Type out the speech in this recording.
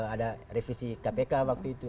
ada revisi kpk waktu itu